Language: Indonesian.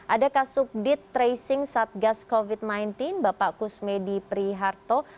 ada kasubdit tracing satgas covid sembilan belas bapak kusmedi priharto